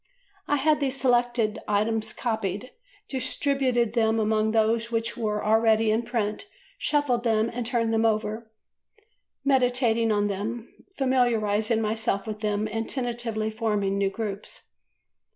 I had these selected items copied, distributed them among those which were already in print, shuffled them and turned them over, meditating on them, familiarising myself with them and tentatively forming new groups.